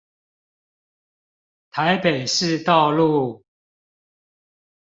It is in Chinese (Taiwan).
台北市道路